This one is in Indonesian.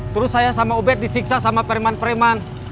terus saya sama ubed disiksa sama periman periman